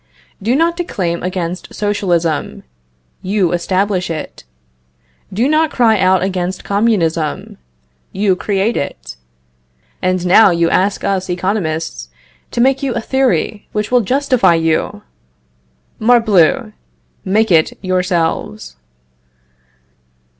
Do not declaim against socialism; you establish it. Do not cry out against communism; you create it. And now you ask us Economists to make you a theory which will justify you! Morbleu! make it yourselves.